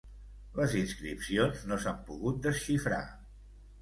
Les inscripcions no s'han pogut desxifrar.